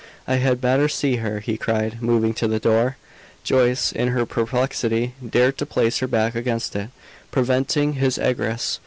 I had better see her," he cried, moving to the door. Joyce, in her perplexity, dared to place her back against it, preventing his egress.